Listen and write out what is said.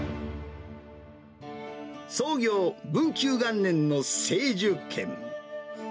創業、文久元年の清寿軒。